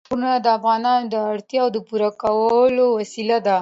غرونه د افغانانو د اړتیاوو د پوره کولو وسیله ده.